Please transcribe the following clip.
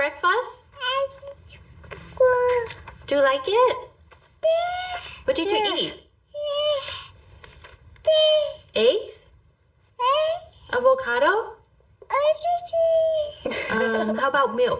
โทรสัวผมบ้าง